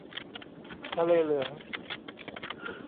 ทะเลเหลือง